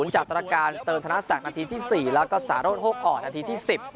จากตรการเติมธนศักดิ์นาทีที่๔แล้วก็สารสโฮกอ่อนนาทีที่๑๐